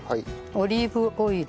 オリーブオイル。